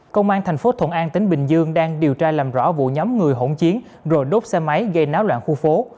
công an thành phố thuận an tỉnh bình dương đang điều tra làm rõ vụ nhóm người hỗn chiến rồi đốt xe máy gây náo loạn khu phố